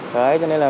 đấy cho nên là